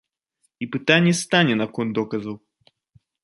І пытанне стане наконт доказаў.